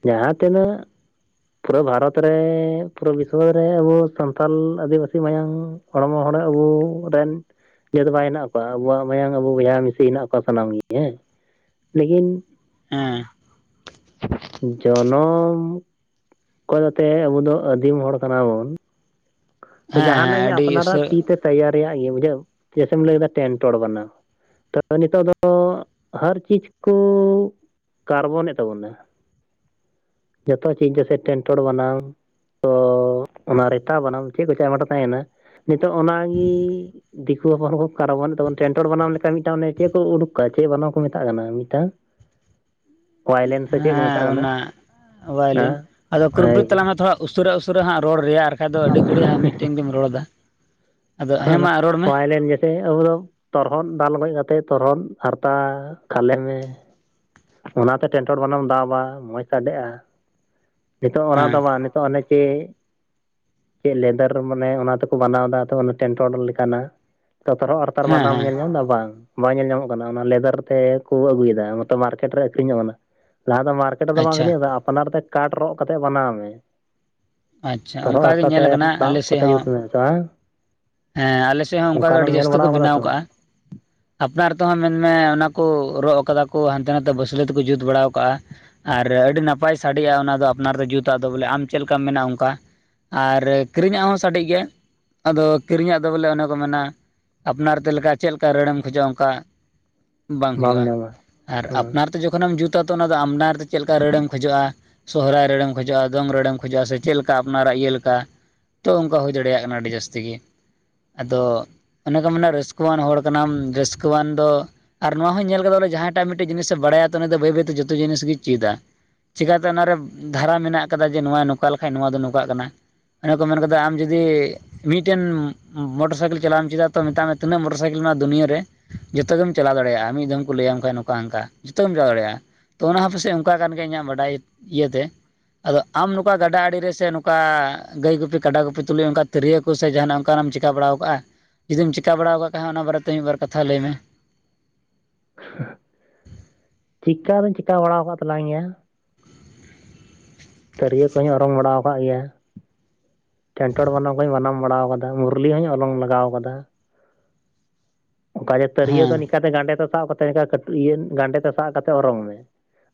ᱡᱟᱦᱟᱸ ᱛᱤᱱᱟᱹᱜ ᱯᱩᱨᱟᱹ ᱵᱷᱟᱨᱚᱛ ᱨᱮ ᱯᱩᱨᱟᱹ ᱵᱤᱥᱥᱚ ᱨᱮ ᱟᱵᱚ ᱥᱟᱱᱛᱟᱞ ᱟᱹᱫᱤᱵᱟᱹᱥᱤ ᱢᱟᱭᱟᱝ ᱦᱚᱲᱢᱚ ᱦᱚᱲ ᱟᱵᱚ ᱨᱮᱱ ᱡᱟᱹᱛ ᱵᱟᱭ ᱦᱮᱱᱟᱜ ᱠᱚᱣᱟ ᱟᱵᱚᱣᱟᱜ ᱢᱟᱭᱟᱝ ᱟᱵᱚ ᱵᱚᱭᱦᱟ ᱢᱤᱥᱤ ᱦᱮᱱᱟᱜ ᱠᱚᱣᱟ ᱥᱟᱱᱟᱢ ᱜᱮ ᱦᱮᱸ ᱞᱮᱠᱤᱱ ᱦᱮᱸ ᱡᱚᱱᱚᱢ [unintelligible] ᱟᱵᱚ ᱫᱚ ᱟᱹᱫᱤᱢ ᱦᱚᱲ ᱠᱟᱱᱟ ᱵᱚᱱ ᱛᱚ ᱦᱮᱸ ᱦᱮᱸ ᱡᱟᱦᱟᱱᱟᱜ ᱜᱮ ᱟᱹᱰᱤ ᱟᱯᱱᱟᱨᱟᱜ ᱩᱥᱟᱹ ᱛᱤ ᱛᱮ ᱛᱮᱭᱟᱨ ᱨᱮᱭᱟᱜ ᱤᱭᱟᱹ ᱵᱩᱡᱷᱟᱹ ᱡᱮᱭᱥᱮᱢ ᱞᱟᱹᱭ ᱮᱫᱟ ᱴᱮᱱᱴᱚᱲ ᱵᱟᱱᱟᱢ ᱛᱚ ᱱᱤᱛᱚᱜ ᱫᱚ ᱦᱟᱨ ᱪᱤᱡᱽ ᱠᱚ ᱠᱟᱨᱵᱚᱱᱮᱫ ᱛᱟᱵᱚᱱᱟ ᱡᱚᱛᱚ ᱪᱤᱡ ᱡᱮᱭᱥᱮ ᱴᱮᱱᱴᱚᱲ ᱵᱟᱱᱟᱢ ᱛᱚ ᱚᱱᱟ ᱨᱮᱛᱟ ᱵᱟᱱᱟᱢ ᱪᱮᱫ ᱠᱚ ᱪᱟᱭᱢᱟᱴᱟ ᱛᱟᱦᱮᱱᱟ ᱱᱤᱛᱚᱜ ᱚᱱᱟᱜᱮ ᱫᱤᱠᱩ ᱦᱚᱯᱚᱱ ᱦᱚᱸᱠᱚ ᱠᱷᱟᱨᱟ ᱵᱚᱱ ᱛᱟᱵᱚᱱ ᱴᱮᱱᱴᱚᱨ ᱵᱮᱱᱟᱣ ᱞᱮᱠᱟ ᱢᱤᱫ ᱪᱮᱫ ᱠᱚ ᱩᱰᱩᱠᱼᱟ ᱪᱮᱫ ᱵᱟᱱᱟᱢ ᱠᱚ ᱢᱮᱛᱟᱜ ᱠᱟᱱᱟ ᱢᱤᱫᱴᱟᱝ [inaudible] ᱥᱮ ᱪᱮᱫ ᱠᱚ ᱦᱮᱸ ᱢᱮᱛᱟᱜ ᱠᱟᱱᱟ ᱚᱱᱟ ᱦᱮᱸ ᱵᱷᱟᱭᱳᱞᱤᱱ ᱟᱫᱚ [unintelligible] ᱦᱳᱭ ᱛᱟᱝᱢᱟ ᱛᱷᱚᱲᱟ ᱩᱥᱟᱹᱨᱟ ᱩᱥᱟᱹᱨᱟ ᱦᱟᱸᱜ ᱨᱚᱲ ᱨᱮᱭᱟ ᱟᱨ ᱵᱟᱠᱟᱱ ᱫᱚ ᱟᱹᱰᱤ ᱜᱷᱟᱹᱲᱤᱡ ᱦᱟᱜ ᱢᱤᱫᱴᱮᱱ ᱜᱮᱢ ᱨᱚᱲ ᱫᱟ ᱟᱫᱚ ᱦᱮᱸ ᱢᱟ ᱨᱚᱲ ᱢᱮ ᱛᱮ ᱟᱵᱚ ᱫᱚ ᱛᱚᱨᱦᱚᱫ ᱫᱟᱞ ᱜᱚᱡ ᱠᱟᱛᱮᱫ ᱛᱚᱨᱦᱚᱫ ᱦᱟᱨᱛᱟ ᱠᱷᱟᱞᱮᱢᱮ ᱚᱱᱟᱛᱮ ᱴᱮᱱᱴᱚᱨ ᱵᱟᱱᱟᱢ ᱫᱟᱵᱟ ᱢᱚᱡᱽ ᱥᱟᱰᱮᱜᱼᱟ ᱱᱤᱛᱚᱜ ᱚᱱᱟ ᱦᱮᱸ ᱫᱚ ᱵᱟᱝ ᱱᱤᱛᱚᱜ ᱚᱱᱮᱠ ᱥᱮ ᱪᱮᱫ ᱞᱮᱫᱟᱨ ᱢᱟᱱᱮ ᱚᱱᱟ ᱛᱮᱠᱚ ᱵᱮᱱᱟᱣ ᱮᱫᱟ ᱴᱮᱱᱴᱚᱨ ᱛᱟᱨ ᱦᱮᱸ ᱵᱟᱱᱟᱢ ᱦᱮᱸ ᱧᱮᱞ ᱧᱟᱢ ᱮᱫᱟ ᱵᱟᱝ ᱵᱟᱝ ᱧᱮᱞ ᱧᱟᱢᱚᱜ ᱠᱟᱱᱟ ᱚᱱᱟ ᱞᱮᱫᱟᱨ ᱛᱮᱠᱚ ᱟᱹᱜᱩ ᱭᱮᱫᱟ ᱱᱚᱛᱮ ᱢᱟ [unintelligible] ᱟᱹᱠᱷᱨᱤᱧᱚᱜ ᱚᱱᱟ ᱞᱟᱦᱟ ᱫᱚ ᱢᱟᱨᱠᱮᱴ ᱨᱮ ᱫᱚ ᱵᱟᱝ ᱟᱪᱪᱷᱟ ᱟᱱᱤ ᱟᱯᱱᱟᱨ ᱛᱮ ᱠᱟᱴ ᱨᱚᱜ ᱠᱟᱛᱮ ᱵᱟᱱᱟᱣ ᱢᱮ ᱟᱪᱪᱷᱟ ᱛᱚᱨᱚᱜ ᱚᱱᱠᱟ ᱜᱮ ᱦᱟᱨᱛᱟ ᱧᱮᱞ ᱛᱮ ᱟᱠᱟᱱᱟ ᱫᱟᱜ ᱟᱞᱮ ᱥᱮᱫ ᱠᱚᱛᱮ ᱡᱩᱛ ᱦᱚᱸ ᱢᱮ ᱥᱮ ᱵᱟᱝ ᱦᱮᱸ ᱟᱞᱮ ᱥᱮᱫ ᱦᱚᱸ ᱚᱱᱠᱟ ᱜᱮ ᱚᱱᱠᱟᱱᱟᱜ ᱮᱢ ᱟᱹᱰᱤ ᱧᱮᱞ ᱡᱟᱹᱥᱛᱤ ᱠᱚ ᱵᱟᱲᱟᱣ ᱠᱟᱫᱟ ᱵᱮᱱᱟᱣ ᱥᱮ ᱵᱟᱝ ᱠᱟᱜᱼᱟ ᱟᱯᱱᱟᱨ ᱛᱮᱦᱚᱸ ᱢᱮᱱᱢᱮ ᱚᱱᱟ ᱠᱚ ᱨᱚᱜ ᱟᱠᱟᱫᱟ ᱠᱚ ᱦᱟᱱᱛᱮ ᱱᱟᱛᱮ ᱵᱟᱹᱥᱞᱟᱹ ᱛᱮᱠᱚ ᱡᱩᱛ ᱵᱟᱲᱟ ᱟᱠᱟᱜᱼᱟ ᱟᱨ ᱟᱹᱰᱤ ᱱᱟᱯᱟᱭ ᱥᱟᱰᱮᱜᱼᱟ ᱚᱱᱟ ᱫᱚ ᱟᱯᱱᱟᱨ ᱫᱚ ᱡᱩᱛ ᱟ ᱫᱚ ᱵᱚᱞᱮ ᱟᱢ ᱪᱮᱫ ᱞᱮᱠᱟᱢ ᱢᱮᱱᱟᱢ ᱚᱱᱠᱟ ᱟᱨ ᱠᱤᱨᱤᱧᱟᱜ ᱦᱚᱸ ᱥᱟᱰᱮ ᱜᱮᱭᱟ ᱟᱫᱚ ᱠᱤᱨᱤᱧᱟᱜ ᱫᱚ ᱵᱚᱞᱮ ᱚᱱᱮ ᱠᱚ ᱢᱮᱱᱟ ᱟᱯᱱᱟᱨ ᱛᱮ ᱞᱮᱠᱟ ᱪᱮᱫ ᱞᱮᱠᱟ ᱨᱟᱹᱲᱮᱢ ᱠᱷᱚᱡᱚᱜᱼᱟ ᱚᱱᱠᱟ ᱵᱟᱝ ᱵᱟᱢ ᱦᱩᱭᱩᱜᱼᱟ ᱧᱟᱢᱟ ᱟᱨ ᱦᱮᱸ ᱟᱯᱱᱟᱨ ᱡᱚᱠᱷᱚᱱᱮᱢ ᱡᱩᱛᱟ ᱛᱚ ᱚᱱᱟ ᱫᱚ ᱟᱢᱱᱟᱨ ᱨᱮ ᱪᱮᱫ ᱞᱮᱠᱟ ᱨᱟᱹᱲᱮᱢ ᱠᱷᱚᱡᱚᱜᱼᱟ ᱥᱚᱦᱨᱟᱭ ᱨᱟᱹᱲᱮᱢ ᱠᱷᱚᱡᱚᱜᱼᱟ ᱫᱚᱝ ᱨᱟᱹᱲᱮᱢ ᱠᱷᱚᱡᱚᱜᱼᱟ ᱥᱮ ᱪᱮᱫ ᱞᱮᱠᱟ ᱟᱯᱱᱟᱨᱟᱜ ᱤᱭᱟᱹ ᱞᱮᱠᱟ ᱛᱚ ᱚᱱᱠᱟ ᱦᱩᱭ ᱫᱟᱲᱮᱭᱟᱜ ᱠᱟᱱᱟ ᱟᱹᱰᱤ ᱡᱟᱹᱥᱛᱤ ᱜᱮ ᱟᱫᱚ ᱚᱱᱮ ᱠᱚ ᱢᱮᱱᱟ ᱨᱟᱹᱥᱠᱟᱹᱣᱟᱱ ᱦᱚᱲ ᱠᱟᱱᱟᱢ ᱨᱟᱹᱥᱠᱟᱹᱣᱟᱱ ᱫᱚ ᱟᱨ ᱱᱚᱣᱟ ᱦᱚᱸ ᱧᱮᱞ ᱟᱠᱟᱫᱟ ᱵᱚᱞᱮ ᱡᱟᱦᱟᱸᱭᱴᱟᱜ ᱢᱤᱫᱴᱮᱱ ᱡᱤᱱᱤᱥᱮ ᱵᱟᱲᱟᱭᱟ ᱛᱚ ᱩᱱᱤ ᱫᱚ ᱵᱟᱹᱭ ᱵᱟᱹᱭᱛᱮ ᱡᱚᱛᱚ ᱡᱤᱱᱤᱥ ᱜᱮᱭ ᱪᱮᱫᱟ ᱪᱮᱠᱟᱛᱮ ᱚᱱᱟ ᱨᱮ ᱫᱷᱟᱨᱟ ᱢᱮᱱᱟᱜ ᱠᱟᱫᱟ ᱡᱮ ᱱᱚᱣᱟ ᱱᱚᱝᱠᱟ ᱞᱮᱠᱟᱡ ᱱᱚᱣᱟ ᱫᱚ ᱱᱚᱝᱠᱟᱜ ᱠᱟᱱᱟ ᱚᱱᱟ ᱠᱚ ᱢᱮᱱ ᱠᱟᱫᱟ ᱟᱢ ᱡᱩᱫᱤ ᱢᱤᱫᱴᱮᱱ ᱢᱚᱴᱚᱨ ᱥᱟᱭᱠᱮᱞ ᱪᱟᱞᱟᱣ ᱮᱱ ᱪᱮᱫᱟ ᱠᱚ ᱢᱮᱛᱟᱜ ᱢᱮ ᱛᱤᱱᱟᱹᱜ ᱢᱚᱴᱚᱨ ᱥᱟᱭᱠᱮᱞ ᱢᱮᱱᱟᱜᱼᱟ ᱫᱩᱱᱭᱟᱹ ᱨᱮ ᱡᱚᱛᱚ ᱜᱮᱢ ᱪᱟᱞᱟᱣ ᱫᱟᱲᱮᱭᱟᱜᱼᱟ ᱢᱤᱫ ᱫᱚᱢ ᱠᱚ ᱞᱟᱹᱭᱟᱢ ᱠᱷᱟᱱ ᱱᱚᱝᱠᱟ ᱦᱟᱝᱠᱟ ᱡᱚᱛᱚ ᱜᱮᱢ ᱪᱟᱞᱟᱣ ᱫᱟᱲᱮᱭᱟᱜᱼᱟ ᱛᱚ ᱚᱱᱟ ᱯᱟᱥᱮ ᱚᱱᱠᱟ ᱠᱟᱱ ᱤᱧᱟᱹᱜ ᱵᱟᱰᱟᱭ ᱤᱭᱟᱹᱛᱮ ᱟᱫᱚ ᱟᱢ ᱱᱚᱝᱠᱟ ᱜᱟᱰᱟ ᱟᱲᱮ ᱨᱮ ᱥᱮ ᱱᱚᱝᱠᱟ ᱜᱟᱹᱭ ᱜᱩᱯᱤ ᱠᱟᱰᱟ ᱜᱩᱯᱤ ᱛᱩᱞᱩᱡ ᱚᱱᱠᱟ ᱛᱤᱨᱭᱟᱹ ᱠᱚ ᱥᱮ ᱡᱟᱦᱟᱱᱟᱜ ᱚᱱᱠᱟᱱᱟᱜ ᱮᱢ ᱪᱮᱠᱟ ᱵᱟᱲᱟᱣ ᱠᱟᱜᱼᱟ? ᱡᱩᱫᱤᱢ ᱪᱮᱠᱟ ᱵᱟᱲᱟ ᱟᱠᱟᱜ ᱠᱷᱟᱡ ᱚᱱᱟ ᱵᱟᱨᱮᱛᱮ ᱢᱤᱫ ᱵᱟᱨ ᱠᱟᱛᱷᱟ ᱞᱟᱹᱭ ᱢᱮ ᱪᱤᱠᱟ ᱫᱚᱧ ᱪᱮᱠᱟ ᱵᱟᱲᱟ ᱟᱠᱟᱫ ᱛᱟᱞᱟᱝ ᱜᱮᱭᱟ ᱛᱤᱨᱭᱟᱹ ᱠᱚᱦᱚᱧ ᱚᱨᱚᱝ ᱵᱟᱲᱟ ᱟᱠᱟᱫ ᱜᱮᱭᱟ ᱴᱮᱱᱴᱚᱲ ᱵᱟᱱᱟᱢ ᱠᱚᱧ ᱵᱟᱱᱟᱢ ᱵᱟᱲᱟ ᱟᱠᱟᱫᱟ ᱢᱩᱨᱞᱤ ᱦᱚᱧ ᱚᱨᱚᱝ ᱞᱟᱜᱟᱣ ᱠᱟᱫᱟ ᱚᱱᱠᱟ ᱡᱮ ᱛᱤᱨᱭᱟᱹ ᱫᱚ ᱦᱮᱸ ᱱᱤᱝᱠᱟ ᱛᱮ ᱜᱟᱸᱰᱮ ᱛᱮ ᱥᱟᱵ ᱠᱟᱛᱮ ᱤᱝᱠᱟ ᱠᱟᱹᱴᱩᱵ ᱜᱟᱸᱰᱮ ᱛᱮ ᱥᱟᱵ ᱠᱟᱛᱮᱫ ᱚᱨᱚᱝ ᱢᱮ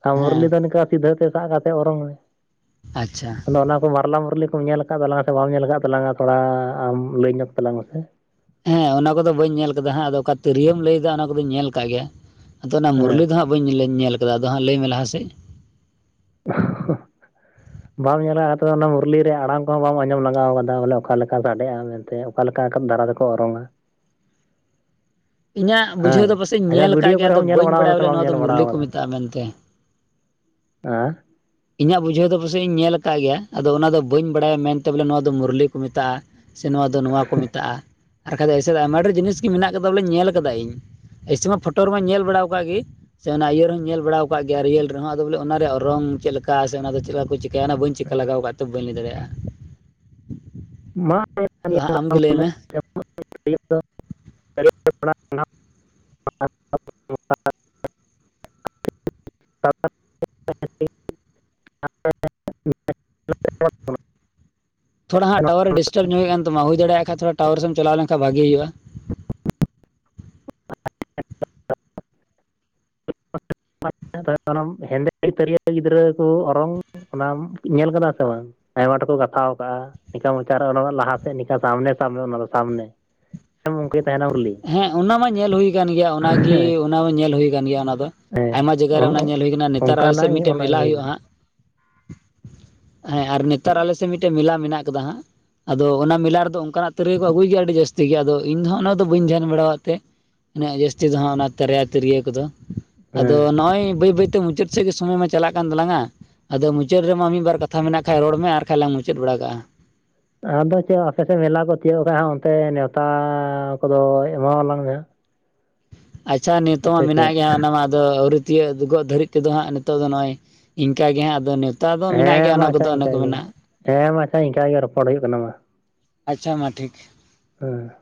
ᱟᱨ ᱢᱩᱨᱞᱤ ᱦᱮᱸ ᱫᱚ ᱱᱤᱝᱠᱟᱹ ᱥᱤᱫᱷᱟᱹ ᱛᱮ ᱥᱟᱵ ᱠᱟᱛᱮ ᱚᱨᱚᱝ ᱢᱮ ᱟᱪᱪᱷᱟ ᱟᱫᱚ ᱚᱱᱟ ᱢᱟᱨᱞᱟ ᱢᱟᱨᱞᱤ ᱠᱚᱢ ᱧᱮᱞ ᱟᱠᱟᱫ ᱛᱟᱞᱟᱝ ᱥᱮ ᱵᱟᱢ ᱧᱮᱞ ᱟᱠᱟᱫ ᱛᱟᱞᱟᱝᱟ ᱛᱷᱚᱲᱟ ᱟᱢ ᱞᱟᱹᱭ ᱧᱚᱜ ᱛᱟᱞᱟᱝ ᱢᱮᱥᱮ ᱦᱮᱸ ᱚᱱᱟ ᱠᱚᱫᱚ ᱵᱟᱹᱧ ᱧᱮᱞ ᱟᱠᱟᱫᱟ ᱦᱟᱸᱜ ᱟᱫᱚ ᱚᱠᱟ ᱛᱤᱨᱭᱳᱢ ᱞᱟᱹᱭ ᱮᱫᱟ ᱚᱱᱟ ᱠᱚᱫᱚᱧ ᱧᱮᱞ ᱟᱠᱟᱜ ᱜᱮᱭᱟ ᱟᱫᱚ ᱚᱱᱟ ᱢᱩᱨᱞᱤ ᱦᱮᱸ ᱫᱚ ᱦᱟᱸᱜ ᱵᱟᱹᱧ ᱧᱮᱞ ᱟᱠᱟᱫᱟ ᱟᱫᱚ ᱦᱟᱸᱜ ᱞᱟᱹᱭᱢᱮ ᱞᱟᱦᱟᱥᱮᱫ ᱳᱸᱻ [unintelligible] ᱵᱟᱢ ᱧᱮᱞᱟᱼᱟ ᱟ ᱚᱱᱟ ᱢᱩᱨᱞᱤ ᱨᱮ ᱟᱲᱟᱝ ᱠᱚᱦᱚᱸᱢ ᱟᱸᱡᱚᱢ ᱞᱟᱜᱟᱣ ᱟᱠᱟᱫᱟ ᱵᱚᱞᱮ ᱚᱠᱟᱮ ᱞᱮᱠᱟ ᱥᱟᱰᱮᱜᱼᱟ ᱢᱮᱱᱛᱮ ᱚᱠᱟ ᱞᱮᱠᱟ ᱫᱟᱨᱟ ᱛᱮᱠᱚ ᱚᱨᱚᱝᱼᱟ? ᱤᱧᱟᱹᱜ ᱦᱮᱸ ᱵᱩᱡᱷᱟᱹᱣ ᱫᱚ ᱯᱟᱥᱮᱡ ᱟᱪᱪᱷᱟ ᱧᱮᱞ ᱵᱷᱤᱰᱭᱳ ᱠᱟᱜ ᱜᱮᱭᱟ ᱠᱚᱨᱮ ᱟᱫᱚ ᱦᱚᱸᱢ ᱧᱮᱞ ᱵᱟᱹᱧ ᱵᱟᱲᱟᱟᱣ ᱠᱟᱫᱟ ᱵᱟᱲᱟᱭᱟ ᱥᱮ ᱵᱚᱞᱮ ᱵᱟᱢ ᱱᱚᱣᱟ ᱫᱚ ᱧᱮᱞ ᱵᱟᱲᱟ ᱢᱩᱨᱞᱤ ᱠᱚ ᱠᱟᱫᱟ ᱢᱮᱛᱟᱜᱼᱟ ᱢᱮᱱᱛᱮ ᱦᱮᱸ ᱤᱧᱟᱹᱜ ᱵᱩᱡᱷᱟᱹᱣ ᱫᱚ ᱯᱟᱥᱮᱡ ᱤᱧ ᱧᱮᱞ ᱟᱠᱟᱫ ᱜᱮᱭᱟ ᱟᱫᱚ ᱚᱱᱟᱫᱚ ᱵᱟᱹᱧ ᱵᱟᱲᱟᱭᱟ ᱢᱮᱱᱛᱮ ᱵᱚᱞᱮ ᱱᱚᱣᱟ ᱫᱚ ᱢᱩᱨᱞᱤ ᱠᱚ ᱢᱮᱛᱟᱜᱼᱟ ᱥᱮ ᱱᱚᱣᱟ ᱫᱚ ᱱᱚᱣᱟ ᱠᱚ ᱢᱮᱛᱟᱜᱼᱟ ᱟᱨ ᱵᱟᱠᱟᱡ ᱫᱚ ᱮᱭᱥᱮ ᱫᱚ ᱟᱭᱢᱟ ᱰᱷᱮᱨ ᱡᱤᱱᱤᱥ ᱜᱮ ᱢᱮᱱᱟᱜ ᱠᱟᱫᱟ ᱵᱚᱞᱮ ᱧᱮᱞ ᱟᱠᱟᱫᱟ ᱤᱧ ᱮᱭᱥᱮ ᱢᱟ ᱯᱷᱳᱴᱳ ᱨᱮᱢᱟᱧ ᱧᱮᱞ ᱵᱟᱲᱟ ᱟᱠᱟᱫ ᱜᱮ ᱥᱮ ᱚᱱᱟ ᱤᱭᱟᱹ ᱨᱮᱦᱚᱧ ᱧᱮᱞ ᱵᱟᱲᱟ ᱟᱠᱟᱫ ᱜᱮᱭᱟ ᱨᱤᱭᱮᱞ ᱨᱮᱦᱚᱸ ᱟᱫᱚ ᱵᱚᱞᱮ ᱚᱱᱟ ᱨᱮᱭᱟᱜ ᱨᱚᱝ ᱪᱮᱫᱮ ᱞᱮᱠᱟ ᱥᱮ ᱪᱮᱫ ᱪᱮᱠᱟᱭᱟ ᱚᱱᱟ ᱵᱟ. ᱹᱧ ᱪᱤᱠᱟᱹ ᱞᱟᱜᱟᱣ ᱠᱮᱫ ᱛᱮ ᱵᱟᱹᱧ ᱞᱟᱹᱭᱟᱲᱮᱭᱟᱜᱼᱟ ᱢᱟ ᱟᱫᱚᱜ ᱟᱢ ᱜᱮ ᱞᱟᱹᱭ ᱢᱮ? [unintelligible] ᱟᱹᱰᱤ ᱡᱳᱨ ᱚᱱᱟ ᱛᱷᱚᱲᱟ ᱦᱟᱸᱜ ᱴᱟᱣᱟᱨ ᱨᱮ ᱰᱤᱥᱴᱟᱵᱽ ᱧᱚᱜ ᱦᱩᱭᱩᱜ ᱠᱟᱱ ᱛᱟᱢᱟ ᱦᱩᱭ ᱫᱟᱲᱮᱭᱟᱜ ᱠᱷᱟᱱ ᱛᱷᱚᱲᱟ ᱴᱟᱣᱟᱨ ᱥᱮᱫ ᱪᱟᱞᱟᱣ ᱞᱮᱱᱠᱷᱟᱱ ᱵᱷᱟᱜᱤ ᱦᱩᱭᱩᱜᱼᱟ [unintelligible] ᱦᱮᱸᱫᱮ ᱛᱤᱨᱭᱟᱹ ᱜᱤᱫᱽᱨᱟᱹ ᱠᱚ ᱚᱨᱚᱝ ᱚᱱᱟᱢ ᱧᱮᱞ ᱟᱠᱟᱫᱟ ᱥᱮ ᱵᱟᱝ ᱟᱭᱢᱟ ᱴᱩᱠᱩ ᱜᱟᱛᱷᱟᱣ ᱟᱠᱟᱜᱼᱟ ᱱᱤᱝᱠᱟ ᱢᱚᱪᱟ ᱚᱱᱟ ᱞᱟᱦᱟ ᱥᱮᱫ ᱱᱤᱝᱠᱟ ᱥᱟᱢᱱᱮ ᱥᱟᱢᱱᱮ ᱚᱱᱟ ᱫᱚ ᱥᱟᱢᱱᱮ ᱜᱚᱝᱠᱮ ᱛᱟᱭᱱᱚᱢᱞᱤ [unintelligible] ᱦᱮᱸ ᱚᱱᱟ ᱢᱟ ᱧᱮᱞ ᱦᱩᱭ ᱠᱟᱱ ᱜᱮᱭᱟ ᱚᱱᱟᱜᱮ ᱚᱱᱟ ᱢᱟ ᱧᱮᱞ ᱦᱩᱭ ᱠᱟᱱ ᱜᱮᱭᱟ ᱚᱱᱟ ᱫᱚ ᱦᱮᱸ ᱟᱭᱢᱟ ᱡᱟᱭᱜᱟ ᱨᱮ ᱚᱱ ᱚᱱᱟ ᱧᱮᱞ ᱦᱩᱭ ᱠᱟᱱᱟ ᱱᱮᱛᱟᱨ ᱟᱞᱮ ᱥᱮᱫ ᱚᱱᱠᱟᱱᱟᱜ ᱜᱮ ᱢᱤᱫᱴᱮᱡ ᱚᱱᱟ ᱢᱮᱞᱟ ᱦᱩᱭᱩᱜᱼᱟ ᱦᱩᱭᱱᱟ ᱦᱟᱸᱜ ᱦᱮᱸ ᱟᱨ ᱱᱮᱛᱟᱨ ᱟᱞᱮᱥᱮᱫ ᱢᱤᱫᱴᱟᱝ ᱢᱮᱞᱟ ᱢᱮᱱᱟᱜ ᱟᱠᱟᱫᱟ ᱦᱟᱸᱜ ᱟᱫᱚ ᱚᱱᱟ ᱢᱮᱞᱟ ᱨᱮᱫᱚ ᱚᱱᱠᱟᱱᱟᱜ ᱛᱤᱨᱭᱟᱹᱣ ᱠᱚ ᱟᱹᱜᱩᱭ ᱜᱮᱭᱟ ᱟᱹᱰᱤ ᱡᱟᱹᱥᱛᱤ ᱜᱮ ᱟᱫᱚ ᱤᱧ ᱫᱚᱜ ᱫᱚ ᱵᱟᱹᱧ ᱫᱷᱮᱭᱟᱱ ᱵᱟᱲᱟ ᱟᱠᱟᱫ ᱛᱮ ᱩᱱᱟᱹᱜ ᱡᱟᱹᱥᱛᱤ ᱫᱚ ᱦᱟᱸᱜ ᱚᱱᱟ ᱛᱟᱨᱭᱟ ᱛᱤᱨᱭᱳ ᱠᱚᱫᱚ ᱟᱫᱚ ᱦᱮᱸ ᱱᱚᱜᱼᱚᱭ ᱵᱟᱹᱭ ᱵᱟᱹᱭᱛᱮ ᱢᱩᱪᱟᱹᱫ ᱥᱮᱫ ᱜᱮ ᱥᱚᱢᱚᱭ ᱢᱮ ᱪᱟᱞᱟᱜ ᱠᱟᱱ ᱛᱟᱞᱟᱝᱟ ᱟᱫᱚ ᱢᱩᱪᱟᱹᱫ ᱨᱮᱢᱟ ᱢᱤᱫ ᱵᱟᱨ ᱠᱟᱛᱷᱟ ᱢᱮᱱᱟᱜ ᱠᱷᱟᱡ ᱨᱚᱲ ᱢᱮ ᱟᱨᱠᱟᱡ ᱞᱟᱝ ᱢᱩᱪᱟᱹᱫ ᱵᱟᱲᱟ ᱠᱟᱜᱼᱟ ᱟᱫᱚ ᱪᱮᱫ ᱟᱯᱮᱥᱮᱫ ᱢᱮᱞᱟ ᱠᱚ ᱛᱤᱭᱳᱜ ᱠᱟᱜ ᱦᱟᱸᱜ ᱚᱱᱛᱮ ᱱᱮᱣᱛᱟ ᱠᱚᱫᱚ ᱮᱢᱟᱣᱟᱞᱟᱝ ᱢᱮ ᱦᱟᱸᱜ ᱟᱪᱪᱷᱟ ᱱᱤᱛᱚᱜ ᱢᱟ ᱥᱮ ᱪᱮᱫ ᱢᱮᱱᱟᱜ ᱜᱮᱭᱟ ᱚᱱᱟ ᱢᱟ ᱟᱫᱚ ᱟᱹᱣᱨᱤ ᱛᱤᱭᱚᱜ ᱫᱩᱜᱚᱜ ᱫᱷᱟᱹᱨᱤᱡ ᱛᱮᱫᱚ ᱦᱟᱸᱜ ᱱᱤᱛᱚᱜ ᱫᱚ ᱱᱚᱜᱼᱚᱭ ᱤᱱᱠᱟᱹ ᱜᱮ ᱦᱟᱸᱜ ᱟᱫᱚ ᱫᱚ ᱢᱮᱱᱟᱜ ᱦᱮᱸ ᱜᱮᱭᱟ ᱢᱟ ᱚᱱᱟ ᱟᱪᱪᱷᱟ ᱠᱚᱫᱚ ᱚᱱᱮ ᱠᱚ ᱤᱱᱠᱟᱜᱮ ᱢᱮᱱᱟ ᱦᱮᱸ ᱢᱟ ᱟᱪᱪᱷᱟ ᱤᱱᱠᱟᱹ ᱜᱮ ᱨᱚᱯᱚᱲ ᱦᱩᱭᱩᱜ ᱠᱟᱱᱟ ᱟᱪᱪᱷᱟ ᱢᱟ ᱴᱷᱤᱠ ᱦᱮᱸ